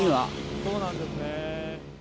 そうなんですね。